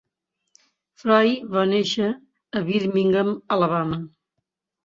Frye va néixer a Birmingham, Alabama.